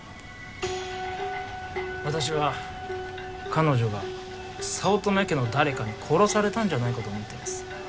私は彼女が早乙女家の誰かに殺されたんじゃないかと思っています。